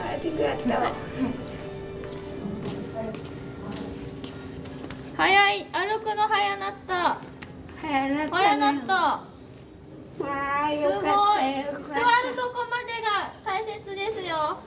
すごい！座るとこまでが大切ですよ。